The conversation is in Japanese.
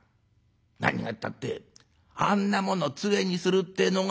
何がったってあんなものつえにするってえのが」。